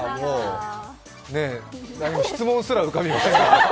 質問すら浮かびません。